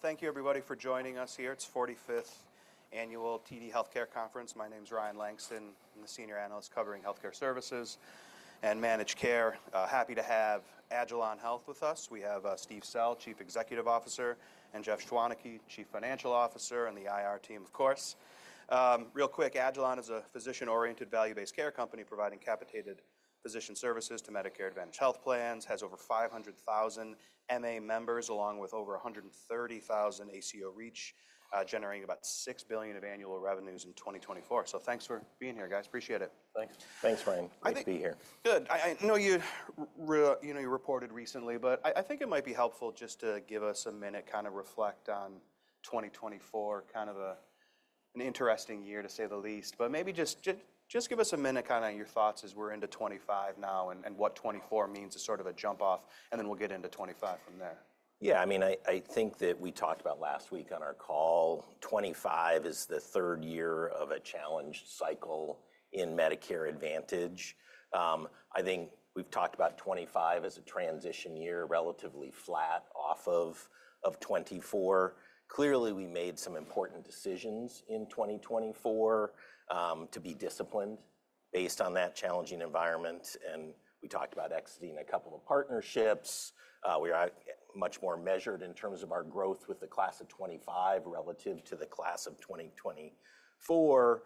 Thank you, everybody, for joining us here. It's the 45th annual TD Cowen Health Care Conference. My name is Ryan Langston. I'm the senior analyst covering health care services and managed care. Happy to have agilon health with us. We have Steve Sell, Chief Executive Officer, and Jeff Schwaneke, Chief Financial Officer, and the IR team, of course. Real quick, agilon health is a physician-oriented, value-based care company providing capitated physician services to Medicare Advantage health plans, has over 500,000 MA members along with over 130,000 ACO REACH, generating about $6 billion of annual revenues in 2024. Thanks for being here, guys. Appreciate it. Thanks. Thanks, Ryan. Great to be here. Good. I know you reported recently, but I think it might be helpful just to give us a minute, kind of reflect on 2024, kind of an interesting year, to say the least. Maybe just give us a minute, kind of your thoughts as we're into 2025 now and what 2024 means as sort of a jump off, and then we'll get into 2025 from there. Yeah, I mean, I think that we talked about last week on our call, 2025 is the third year of a challenge cycle in Medicare Advantage. I think we've talked about 2025 as a transition year, relatively flat off of 2024. Clearly, we made some important decisions in 2024 to be disciplined based on that challenging environment. We talked about exiting a couple of partnerships. We are much more measured in terms of our growth with the Class of 2025 relative to the Class of 2024.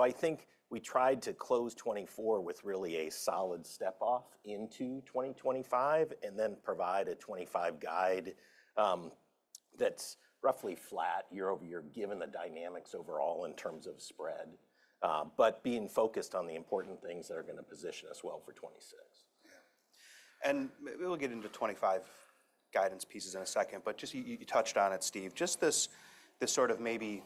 I think we tried to close 2024 with really a solid step off into 2025 and then provide a 2025 guide that's roughly flat year over year, given the dynamics overall in terms of spread, but being focused on the important things that are going to position us well for 2026. Yeah. We'll get into 2025 guidance pieces in a second. You touched on it, Steve, just this sort of maybe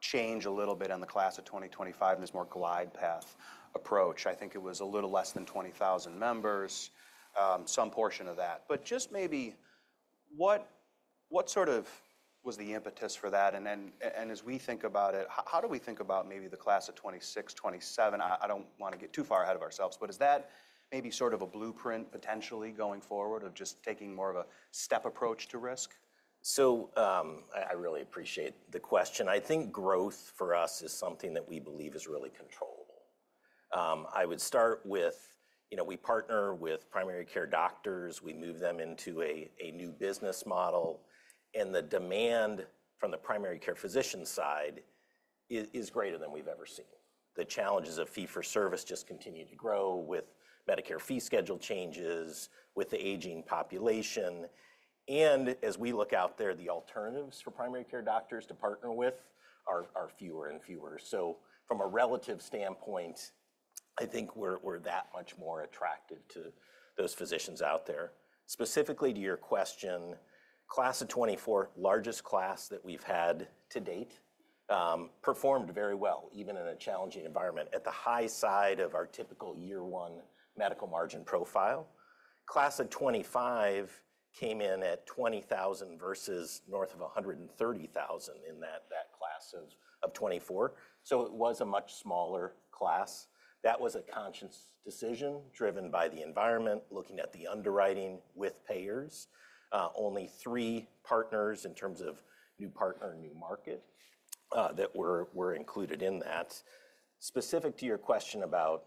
change a little bit on the Class of 2025 and this more glide path approach. I think it was a little less than 20,000 members, some portion of that. Just maybe what sort of was the impetus for that? As we think about it, how do we think about maybe the Class of 2026, 2027? I do not want to get too far ahead of ourselves, but is that maybe sort of a blueprint potentially going forward of just taking more of a step approach to risk? I really appreciate the question. I think growth for us is something that we believe is really controlled. I would start with, you know, we partner with primary care doctors. We move them into a new business model. The demand from the primary care physician side is greater than we've ever seen. The challenges of fee-for-service just continue to grow with Medicare fee schedule changes, with the aging population. As we look out there, the alternatives for primary care doctors to partner with are fewer and fewer. From a relative standpoint, I think we're that much more attractive to those physicians out there. Specifically to your question, Class of 2024, largest class that we've had to date, performed very well, even in a challenging environment at the high side of our typical year one medical margin profile. Class of 2025 came in at 20,000 versus north of 130,000 in that Class of 2024. It was a much smaller class. That was a conscious decision driven by the environment, looking at the underwriting with payers. Only three partners in terms of new partner and new market that were included in that. Specific to your question about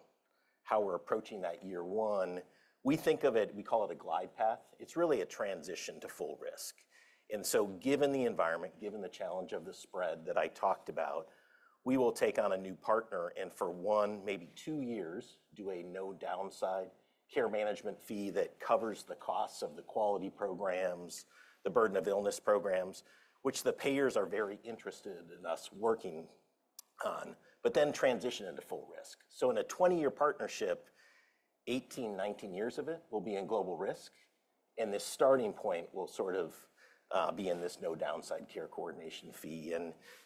how we're approaching that year one, we think of it, we call it a glide path. It's really a transition to full risk. Given the environment, given the challenge of the spread that I talked about, we will take on a new partner and for one, maybe two years, do a no-downside care management fee that covers the costs of the quality programs, the burden of illness programs, which the payers are very interested in us working on, but then transition into full risk. In a 20-year partnership, 18, 19 years of it will be in global risk. This starting point will sort of be in this no-downside care coordination fee.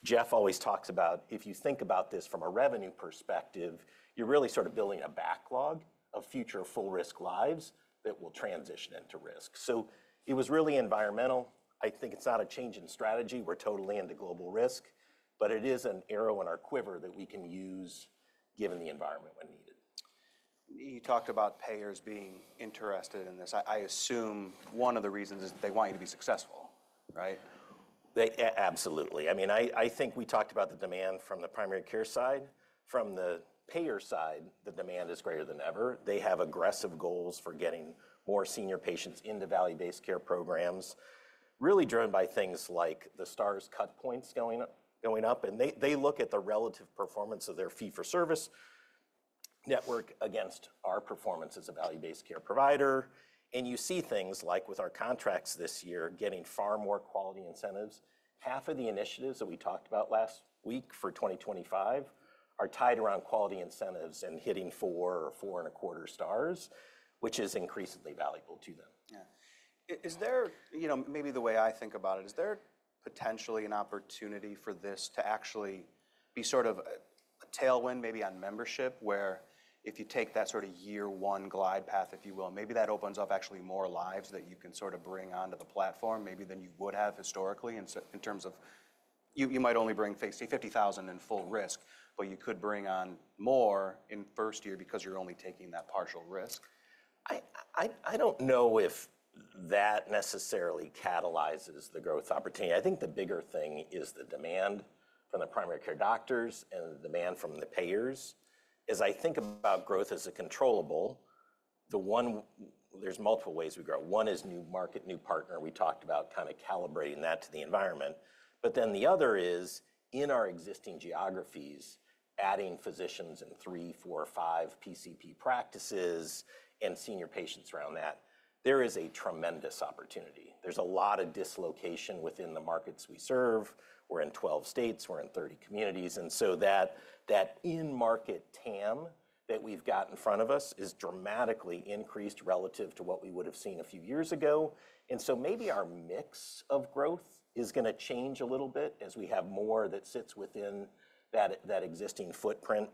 Jeff always talks about, if you think about this from a revenue perspective, you're really sort of building a backlog of future full risk lives that will transition into risk. It was really environmental. I think it's not a change in strategy. We're totally into global risk, but it is an arrow in our quiver that we can use given the environment when needed. You talked about payers being interested in this. I assume one of the reasons is they want you to be successful, right? Absolutely. I mean, I think we talked about the demand from the primary care side. From the payer side, the demand is greater than ever. They have aggressive goals for getting more senior patients into value-based care programs, really driven by things like the Stars cut points going up. They look at the relative performance of their fee for service network against our performance as a value-based care provider. You see things like with our contracts this year getting far more quality incentives. Half of the initiatives that we talked about last week for 2025 are tied around quality incentives and hitting four or four and a quarter Stars, which is increasingly valuable to them. Yeah. Is there, you know, maybe the way I think about it, is there potentially an opportunity for this to actually be sort of a tailwind maybe on membership, where if you take that sort of year one glide path, if you will, maybe that opens up actually more lives that you can sort of bring onto the platform maybe than you would have historically in terms of you might only bring 50,000 in full risk, but you could bring on more in first year because you're only taking that partial risk? I don't know if that necessarily catalyzes the growth opportunity. I think the bigger thing is the demand from the primary care doctors and the demand from the payers. As I think about growth as a controllable, there's multiple ways we grow. One is new market, new partner. We talked about kind of calibrating that to the environment. The other is in our existing geographies, adding physicians in three, four, five PCP practices and senior patients around that. There is a tremendous opportunity. There's a lot of dislocation within the markets we serve. We're in 12 states. We're in 30 communities. That in-market TAM that we've got in front of us is dramatically increased relative to what we would have seen a few years ago. Maybe our mix of growth is going to change a little bit as we have more that sits within that existing footprint.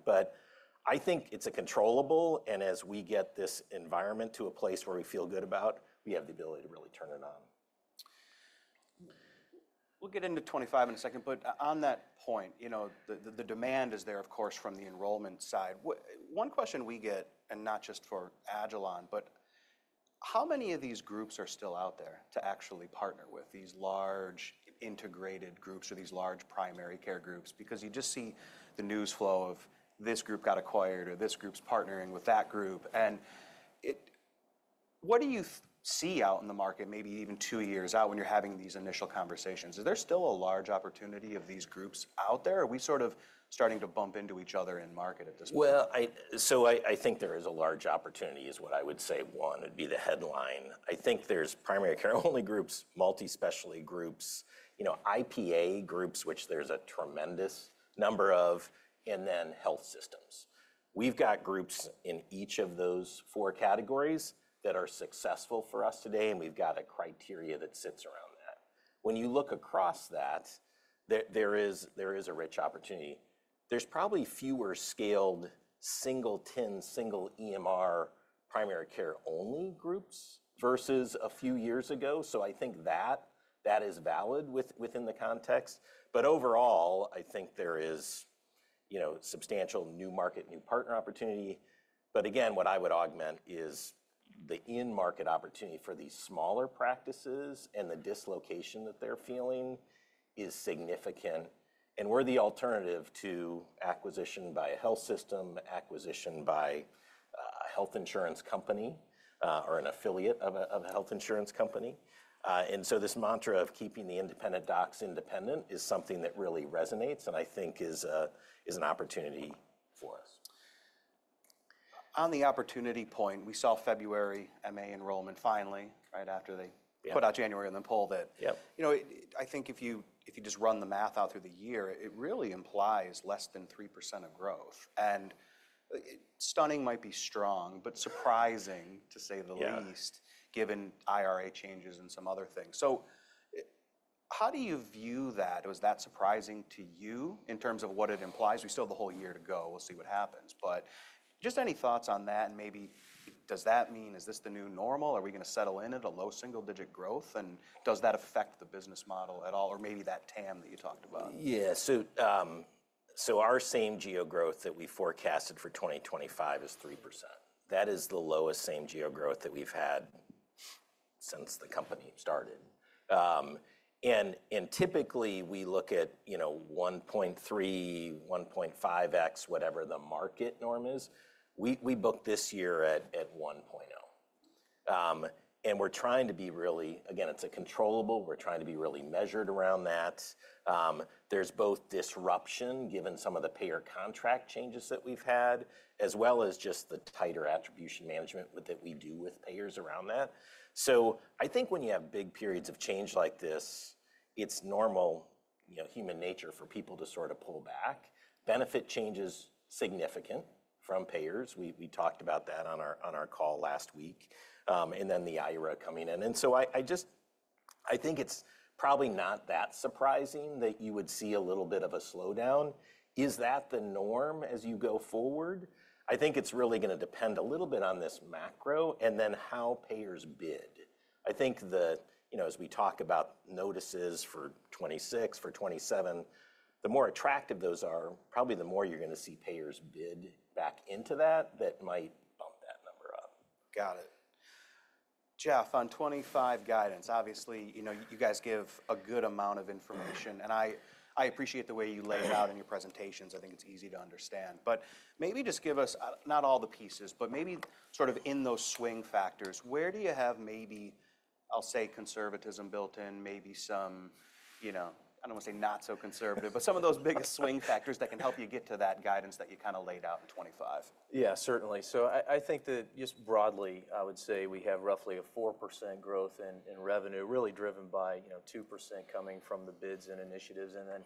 I think it's a controllable. As we get this environment to a place where we feel good about, we have the ability to really turn it on. We'll get into 2025 in a second. On that point, you know, the demand is there, of course, from the enrollment side. One question we get, and not just for agilon health, is how many of these groups are still out there to actually partner with these large integrated groups or these large primary care groups? You just see the news flow of this group got acquired or this group's partnering with that group. What do you see out in the market, maybe even two years out when you're having these initial conversations? Is there still a large opportunity of these groups out there? Are we sort of starting to bump into each other in market at this point? I think there is a large opportunity is what I would say. One would be the headline. I think there's primary care-only groups, multi-specialty groups, you know, IPA groups, which there's a tremendous number of, and then health systems. We've got groups in each of those four categories that are successful for us today. We've got a criteria that sits around that. When you look across that, there is a rich opportunity. There's probably fewer scaled single TIN, single EMR primary care-only groups versus a few years ago. I think that that is valid within the context. Overall, I think there is, you know, substantial new market, new partner opportunity. Again, what I would augment is the in-market opportunity for these smaller practices and the dislocation that they're feeling is significant. We are the alternative to acquisition by a health system, acquisition by a health insurance company or an affiliate of a health insurance company. This mantra of keeping the independent docs independent is something that really resonates and I think is an opportunity for us. On the opportunity point, we saw February MA enrollment finally, right after they put out January in the poll that, you know, I think if you just run the math out through the year, it really implies less than 3% of growth. Stunning might be strong, but surprising to say the least, given IRA changes and some other things. How do you view that? Was that surprising to you in terms of what it implies? We still have the whole year to go. We'll see what happens. Just any thoughts on that? Maybe does that mean, is this the new normal? Are we going to settle in at a low single-digit growth? Does that affect the business model at all? Or maybe that TAM that you talked about? Yeah. Our same-geo growth that we forecasted for 2025 is 3%. That is the lowest same-geo growth that we've had since the company started. Typically we look at, you know, 1.3, 1.5x, whatever the market norm is. We booked this year at 1.0. We're trying to be really, again, it's a controllable. We're trying to be really measured around that. There's both disruption, given some of the payer contract changes that we've had, as well as just the tighter attribution management that we do with payers around that. I think when you have big periods of change like this, it's normal, you know, human nature for people to sort of pull back. Benefit changes significant from payers. We talked about that on our call last week. Then the IRA coming in. I just, I think it's probably not that surprising that you would see a little bit of a slowdown. Is that the norm as you go forward? I think it's really going to depend a little bit on this macro and then how payers bid. I think the, you know, as we talk about notices for 2026, for 2027, the more attractive those are, probably the more you're going to see payers bid back into that. That might bump that number up. Got it. Jeff, on 2025 guidance, obviously, you know, you guys give a good amount of information. I appreciate the way you lay it out in your presentations. I think it's easy to understand. Maybe just give us not all the pieces, but maybe sort of in those swing factors, where do you have maybe, I'll say, conservatism built in, maybe some, you know, I don't want to say not so conservative, but some of those biggest swing factors that can help you get to that guidance that you kind of laid out in 2025? Yeah, certainly. I think that just broadly, I would say we have roughly a 4% growth in revenue, really driven by, you know, 2% coming from the bids and initiatives and then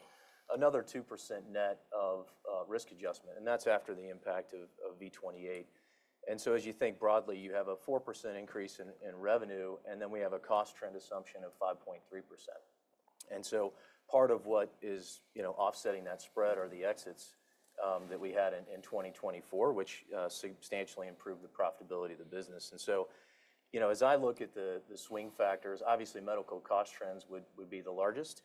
another 2% net of risk adjustment. That's after the impact of V28. As you think broadly, you have a 4% increase in revenue, and then we have a cost trend assumption of 5.3%. Part of what is, you know, offsetting that spread are the exits that we had in 2024, which substantially improved the profitability of the business. You know, as I look at the swing factors, obviously medical cost trends would be the largest.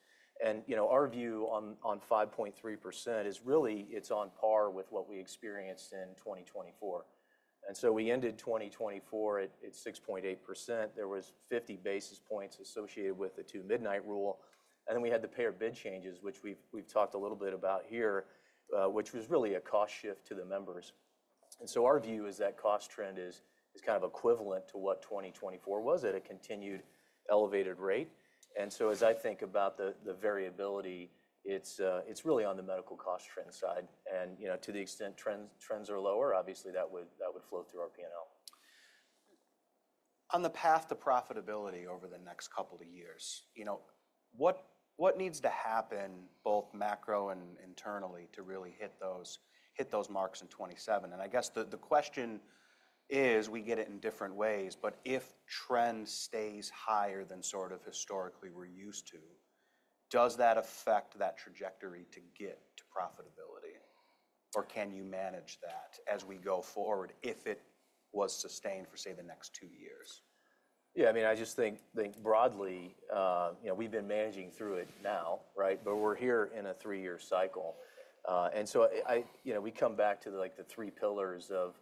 You know, our view on 5.3% is really it's on par with what we experienced in 2024. We ended 2024 at 6.8%. There was 50 basis points associated with the Two-Midnight Rule. Then we had the payer bid changes, which we've talked a little bit about here, which was really a cost shift to the members. Our view is that cost trend is kind of equivalent to what 2024 was at a continued elevated rate. As I think about the variability, it's really on the medical cost trend side. You know, to the extent trends are lower, obviously that would flow through our P&L. On the path to profitability over the next couple of years, you know, what needs to happen both macro and internally to really hit those marks in 2027? I guess the question is, we get it in different ways, but if trend stays higher than sort of historically we're used to, does that affect that trajectory to get to profitability? Or can you manage that as we go forward if it was sustained for, say, the next two years? Yeah, I mean, I just think broadly, you know, we've been managing through it now, right? We're here in a three-year cycle. You know, we come back to like the three pillars of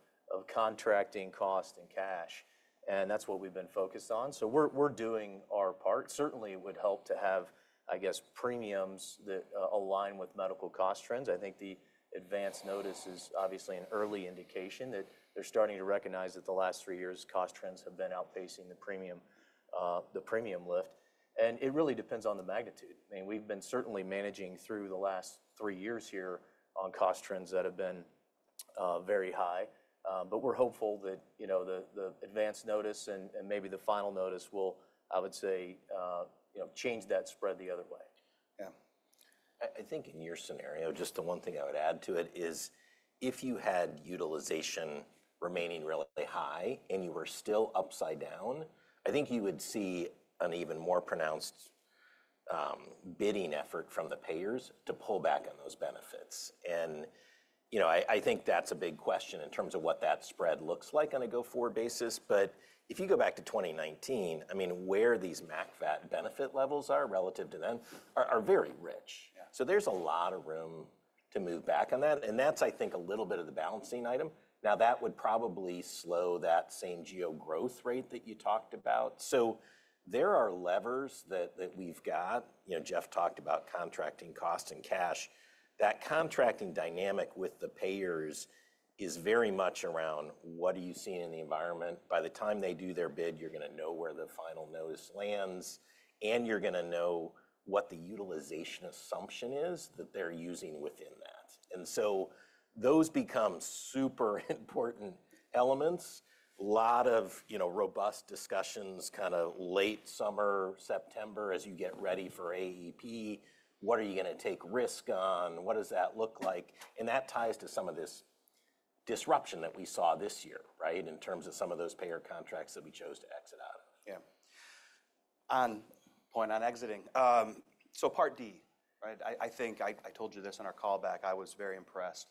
contracting, cost, and cash. That's what we've been focused on. We're doing our part. Certainly it would help to have, I guess, premiums that align with medical cost trends. I think the Advance Notice is obviously an early indication that they're starting to recognize that the last three years' cost trends have been outpacing the premium lift. It really depends on the magnitude. I mean, we've been certainly managing through the last three years here on cost trends that have been very high. We're hopeful that, you know, the Advance Notice and maybe the Final Notice will, I would say, you know, change that spread the other way. Yeah. I think in your scenario, just the one thing I would add to it is if you had utilization remaining really high and you were still upside down, I think you would see an even more pronounced bidding effort from the payers to pull back on those benefits. You know, I think that's a big question in terms of what that spread looks like on a go-forward basis. If you go back to 2019, I mean, where these MA benefit levels are relative to them are very rich. There is a lot of room to move back on that. I think that's a little bit of the balancing item. That would probably slow that same-geo growth rate that you talked about. There are levers that we've got. You know, Jeff talked about contracting, cost, and cash. That contracting dynamic with the payers is very much around what are you seeing in the environment. By the time they do their bid, you're going to know where the Final Notice lands. You're going to know what the utilization assumption is that they're using within that. Those become super important elements. A lot of, you know, robust discussions kind of late summer, September, as you get ready for AEP. What are you going to take risk on? What does that look like? That ties to some of this disruption that we saw this year, right, in terms of some of those payer contracts that we chose to exit out of. Yeah. On point on exiting. Part D, right? I think I told you this on our callback. I was very impressed.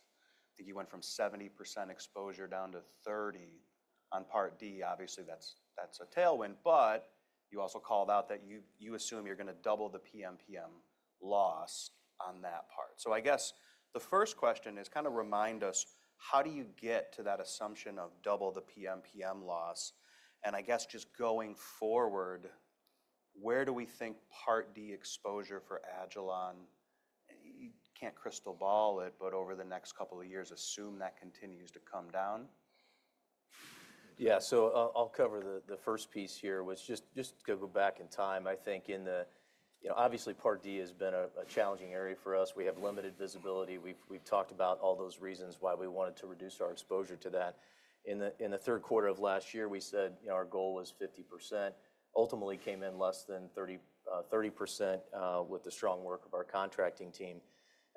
I think you went from 70% exposure down to 30% on Part D. Obviously, that's a tailwind. You also called out that you assume you're going to double the PMPM loss on that part. I guess the first question is kind of remind us, how do you get to that assumption of double the PMPM loss? I guess just going forward, where do we think Part D exposure for agilon health? You can't crystal ball it, but over the next couple of years, assume that continues to come down? Yeah. I'll cover the first piece here, which just go back in time. I think in the, you know, obviously Part D has been a challenging area for us. We have limited visibility. We've talked about all those reasons why we wanted to reduce our exposure to that. In the third quarter of last year, we said, you know, our goal was 50%. Ultimately, came in less than 30% with the strong work of our contracting team.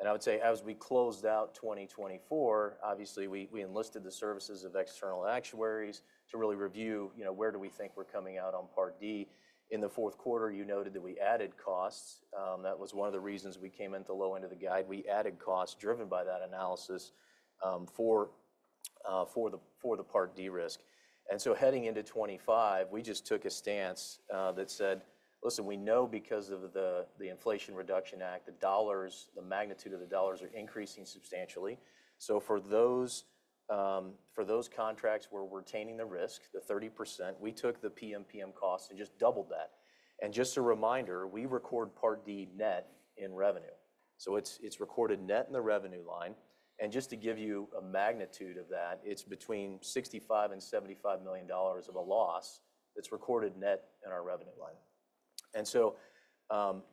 I would say as we closed out 2024, obviously we enlisted the services of external actuaries to really review, you know, where do we think we're coming out on Part D. In the fourth quarter, you noted that we added costs. That was one of the reasons we came into the low end of the guide. We added costs driven by that analysis for the Part D risk. Heading into 2025, we just took a stance that said, listen, we know because of the Inflation Reduction Act, the dollars, the magnitude of the dollars are increasing substantially. For those contracts where we're retaining the risk, the 30%, we took the PMPM costs and just doubled that. Just a reminder, we record Part D net in revenue. It is recorded net in the revenue line. Just to give you a magnitude of that, it is between $65 million-$75 million of a loss that is recorded net in our revenue line. You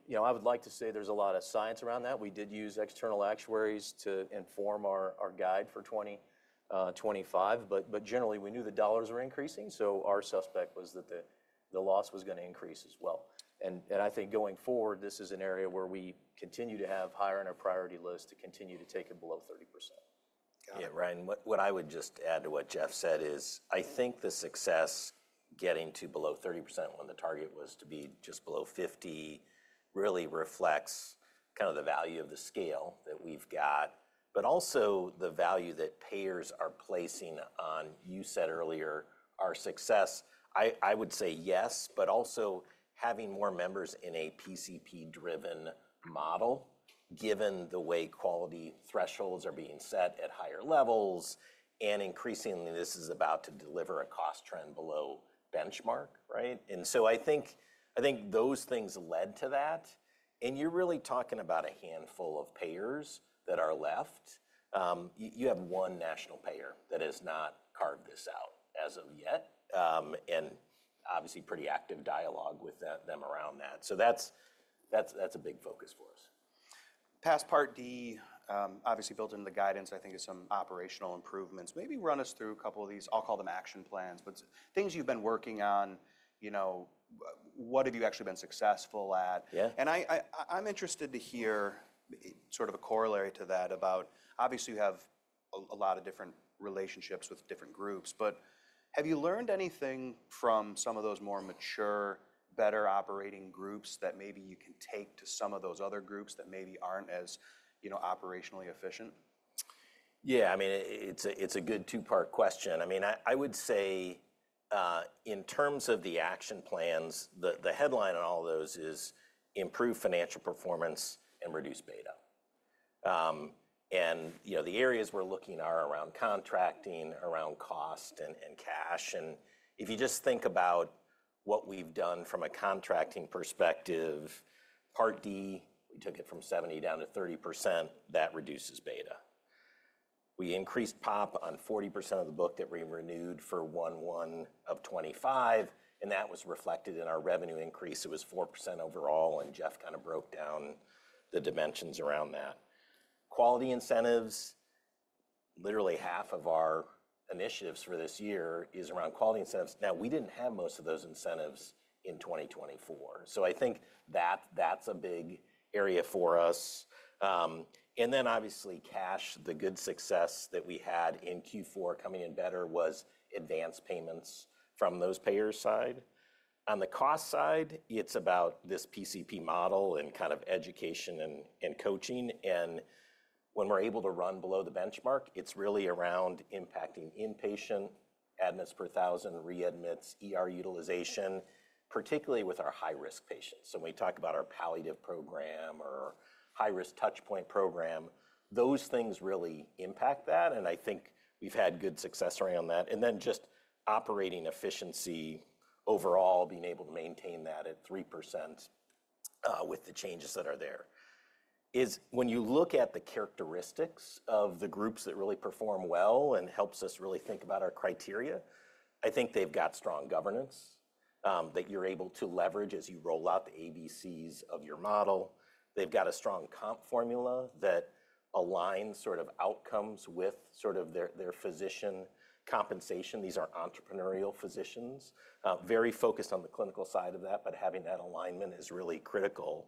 know, I would like to say there is a lot of science around that. We did use external actuaries to inform our guide for 2025.Generally, we knew the dollars were increasing. Our suspect was that the loss was going to increase as well. I think going forward, this is an area where we continue to have higher on our priority list to continue to take it below 30%. Yeah, Ryan, what I would just add to what Jeff said is I think the success getting to below 30% when the target was to be just below 50% really reflects kind of the value of the scale that we've got. Also, the value that payers are placing on, you said earlier, our success, I would say yes, but also having more members in a PCP-driven model, given the way quality thresholds are being set at higher levels. Increasingly, this is about to deliver a cost trend below benchmark, right? I think those things led to that. You're really talking about a handful of payers that are left. You have one national payer that has not carved this out as of yet. Obviously, pretty active dialogue with them around that. That's a big focus for us. Past Part D, obviously built into the guidance, I think of some operational improvements. Maybe run us through a couple of these, I'll call them action plans, but things you've been working on, you know, what have you actually been successful at? And I'm interested to hear sort of a corollary to that about, obviously you have a lot of different relationships with different groups, but have you learned anything from some of those more mature, better operating groups that maybe you can take to some of those other groups that maybe aren't as, you know, operationally efficient? Yeah, I mean, it's a good two-part question. I mean, I would say in terms of the action plans, the headline on all of those is improve financial performance and reduce beta. You know, the areas we're looking are around contracting, around cost and cash. If you just think about what we've done from a contracting perspective, Part D, we took it from 70% down to 30%, that reduces beta. We increased POP on 40% of the book that we renewed for 2025. That was reflected in our revenue increase. It was 4% overall. Jeff kind of broke down the dimensions around that. Quality incentives, literally half of our initiatives for this year is around quality incentives. Now, we didn't have most of those incentives in 2024. I think that that's a big area for us. Obviously, cash, the good success that we had in Q4 coming in better was advanced payments from those payers' side. On the cost side, it is about this PCP model and kind of education and coaching. When we are able to run below the benchmark, it is really around impacting inpatient, admits per thousand, readmits, utilization, particularly with our high-risk patients. When we talk about our palliative program or high-risk touchpoint program, those things really impact that. I think we have had good success around that. Just operating efficiency overall, being able to maintain that at 3% with the changes that are there. When you look at the characteristics of the groups that really perform well and helps us really think about our criteria, I think they have got strong governance that you are able to leverage as you roll out the ABCs of your model. They've got a strong comp formula that aligns sort of outcomes with sort of their physician compensation. These are entrepreneurial physicians, very focused on the clinical side of that, but having that alignment is really critical.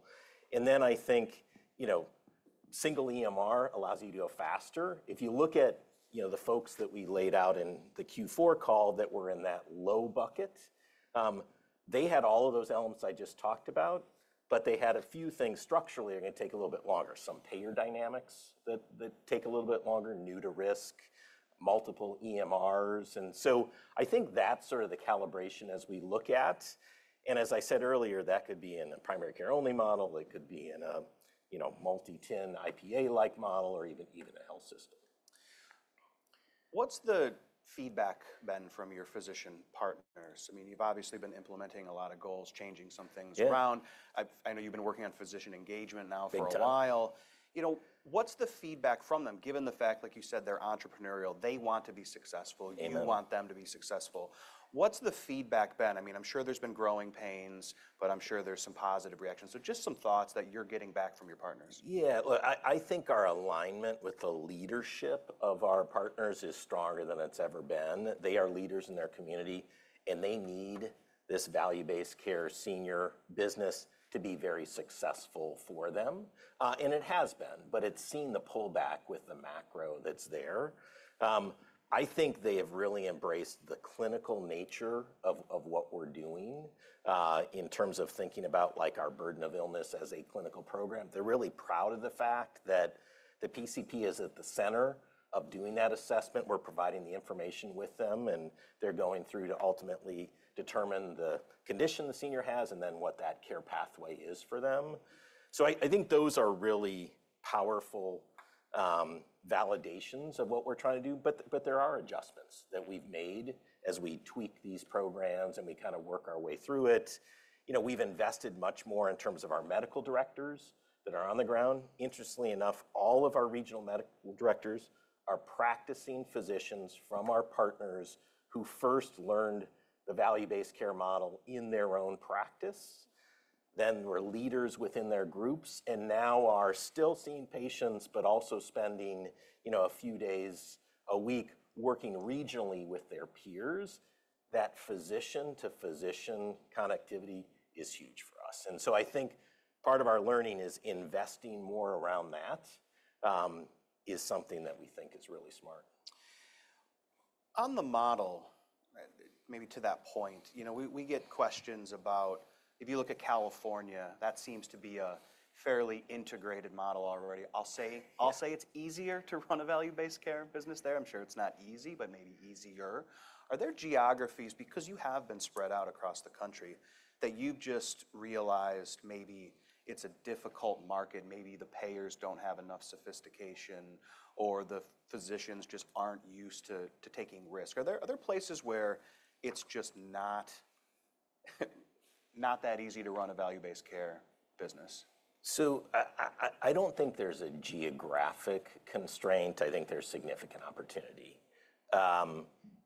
I think, you know, single EMR allows you to go faster. If you look at, you know, the folks that we laid out in the Q4 call that were in that low bucket, they had all of those elements I just talked about, but they had a few things structurally are going to take a little bit longer. Some payer dynamics that take a little bit longer, new to risk, multiple EMRs. I think that's sort of the calibration as we look at. As I said earlier, that could be in a primary care only model. It could be in a, you know, multi-TIN IPA-like model or even a health system. What's the feedback been from your physician partners? I mean, you've obviously been implementing a lot of goals, changing some things around. I know you've been working on physician engagement now for a while. You know, what's the feedback from them? Given the fact, like you said, they're entrepreneurial, they want to be successful. You want them to be successful. What's the feedback been? I mean, I'm sure there's been growing pains, but I'm sure there's some positive reactions. Just some thoughts that you're getting back from your partners. I think our alignment with the leadership of our partners is stronger than it's ever been. They are leaders in their community. They need this value-based care senior business to be very successful for them. It has been, but it's seen the pullback with the macro that's there. I think they have really embraced the clinical nature of what we're doing in terms of thinking about like our burden of illness as a clinical program. They're really proud of the fact that the PCP is at the center of doing that assessment. We're providing the information with them. They're going through to ultimately determine the condition the senior has and then what that care pathway is for them. I think those are really powerful validations of what we're trying to do. There are adjustments that we've made as we tweak these programs and we kind of work our way through it. You know, we've invested much more in terms of our medical directors that are on the ground. Interestingly enough, all of our regional medical directors are practicing physicians from our partners who first learned the value-based care model in their own practice. Then were leaders within their groups and now are still seeing patients, but also spending, you know, a few days a week working regionally with their peers. That physician-to-physician connectivity is huge for us. I think part of our learning is investing more around that is something that we think is really smart. On the model, maybe to that point, you know, we get questions about if you look at California, that seems to be a fairly integrated model already. I'll say it's easier to run a value-based care business there. I'm sure it's not easy, but maybe easier. Are there geographies, because you have been spread out across the country, that you've just realized maybe it's a difficult market, maybe the payers don't have enough sophistication or the physicians just aren't used to taking risk? Are there other places where it's just not that easy to run a value-based care business? I do not think there is a geographic constraint. I think there is significant opportunity.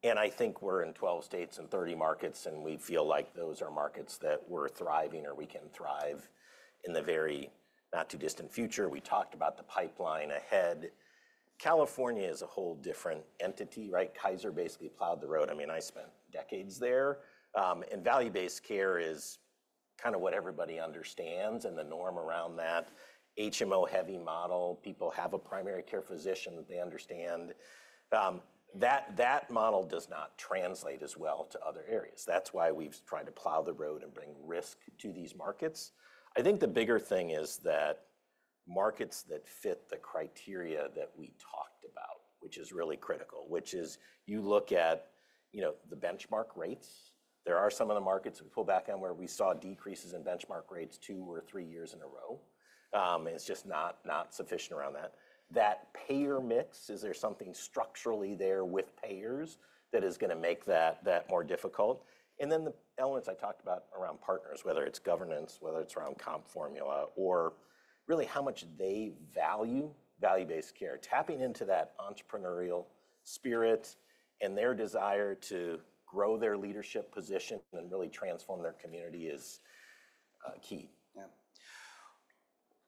I think we are in 12 states and 30 markets. We feel like those are markets that we are thriving or we can thrive in the very not too distant future. We talked about the pipeline ahead. California is a whole different entity, right? Kaiser basically plowed the road. I mean, I spent decades there. Value-based care is kind of what everybody understands and the norm around that. HMO-heavy model, people have a primary care physician that they understand. That model does not translate as well to other areas. That is why we have tried to plow the road and bring risk to these markets. I think the bigger thing is that markets that fit the criteria that we talked about, which is really critical, which is you look at, you know, the benchmark rates. There are some of the markets we pull back on where we saw decreases in benchmark rates two or three years in a row. It is just not sufficient around that. That payer mix, is there something structurally there with payers that is going to make that more difficult? The elements I talked about around partners, whether it is governance, whether it is around comp formula, or really how much they value value-based care, tapping into that entrepreneurial spirit and their desire to grow their leadership position and really transform their community is key. Yeah.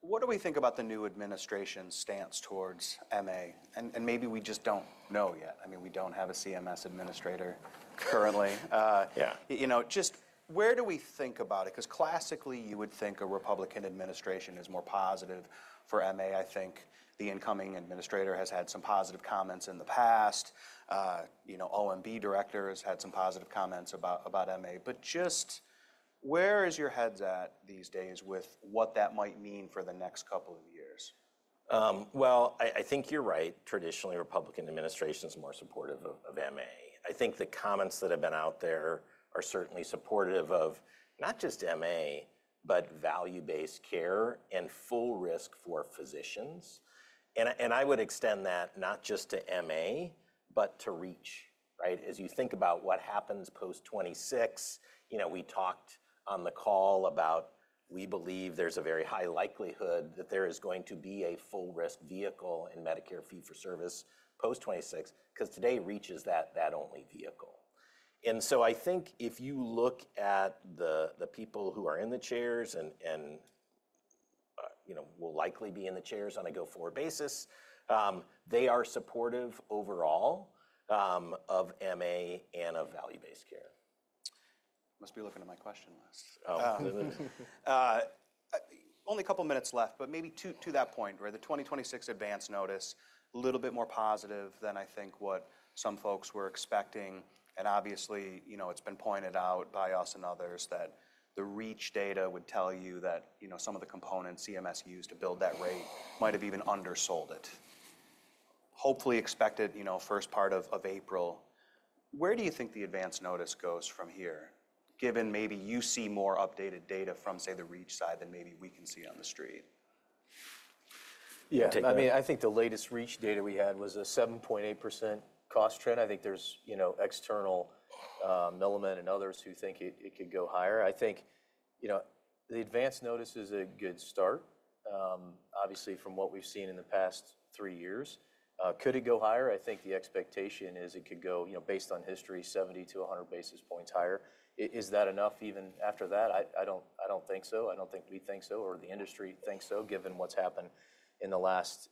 What do we think about the new administration's stance towards MA? And maybe we just do not know yet. I mean, we do not have a CMS administrator currently. You know, just where do we think about it? Because classically, you would think a Republican administration is more positive for MA. I think the incoming administrator has had some positive comments in the past. You know, OMB director has had some positive comments about MA. But just where is your head's at these days with what that might mean for the next couple of years? I think you're right. Traditionally, Republican administrations are more supportive of MA. I think the comments that have been out there are certainly supportive of not just MA, but value-based care and full risk for physicians. I would extend that not just to MA, but to REACH, right? As you think about what happens post 2026, you know, we talked on the call about we believe there's a very high likelihood that there is going to be a full risk vehicle in Medicare fee for service post 2026, because today REACH is that only vehicle. I think if you look at the people who are in the chairs and, you know, will likely be in the chairs on a go-forward basis, they are supportive overall of MA and of value-based care. Must be looking at my question list. Oh, it is. Only a couple of minutes left, but maybe to that point, right? The 2026 Advance Notice, a little bit more positive than I think what some folks were expecting. Obviously, you know, it's been pointed out by us and others that the REACH data would tell you that, you know, some of the components CMS used to build that rate might have even undersold it. Hopefully expect it, you know, first part of April. Where do you think the Advance Notice goes from here, given maybe you see more updated data from, say, the REACH side than maybe we can see on the street? Yeah. I mean, I think the latest REACH data we had was a 7.8% cost trend. I think there's, you know, external Milliman and others who think it could go higher. I think, you know, the Advance Notice is a good start, obviously from what we've seen in the past three years. Could it go higher? I think the expectation is it could go, you know, based on history, 70-100 basis points higher. Is that enough even after that? I don't think so. I don't think we think so or the industry thinks so given what's happened in the last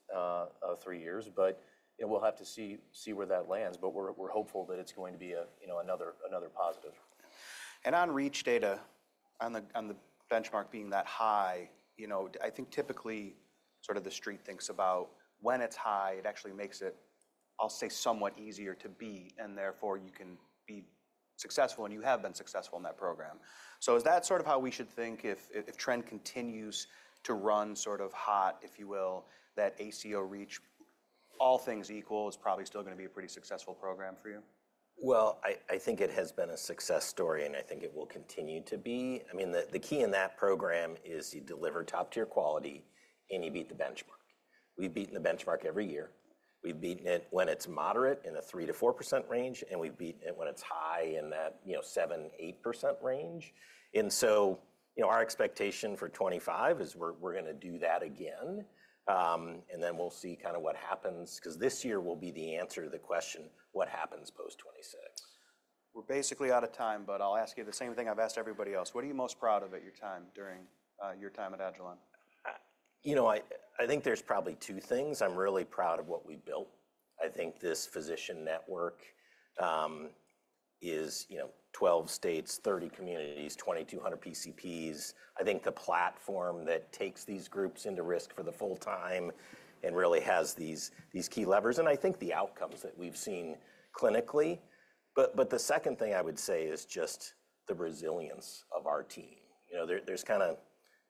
three years. We'll have to see where that lands. We're hopeful that it's going to be another positive. On reach data, on the benchmark being that high, you know, I think typically sort of the street thinks about when it's high, it actually makes it, I'll say, somewhat easier to beat. And therefore, you can be successful and you have been successful in that program. Is that sort of how we should think if trend continues to run sort of hot, if you will, that ACO REACH, all things equal, is probably still going to be a pretty successful program for you? I think it has been a success story. I think it will continue to be. I mean, the key in that program is you deliver top-tier quality and you beat the benchmark. We've beaten the benchmark every year. We've beaten it when it's moderate in a 3-4% range. We've beaten it when it's high in that, you know, 7-8% range. You know, our expectation for 2025 is we're going to do that again. We'll see kind of what happens, because this year will be the answer to the question, what happens post 2026? We're basically out of time, but I'll ask you the same thing I've asked everybody else. What are you most proud of at your time during your time at agilon health? You know, I think there's probably two things. I'm really proud of what we built. I think this physician network is, you know, 12 states, 30 communities, 2,200 PCPs. I think the platform that takes these groups into risk for the full time and really has these key levers. I think the outcomes that we've seen clinically. The second thing I would say is just the resilience of our team. You know, there's kind of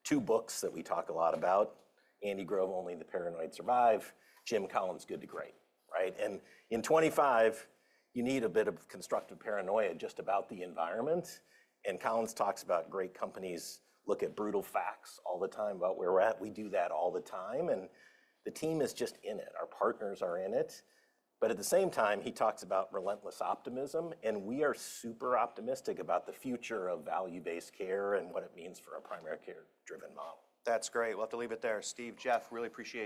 two books that we talk a lot about, Andy Grove, Only the Paranoid Survive, Jim Collins' Good to Great, right? In 2025, you need a bit of constructive paranoia just about the environment. Collins talks about great companies look at brutal facts all the time about where we're at. We do that all the time. The team is just in it. Our partners are in it. At the same time, he talks about relentless optimism. We are super optimistic about the future of value-based care and what it means for a primary care-driven model. That's great. We'll have to leave it there. Steve, Jeff, really appreciate.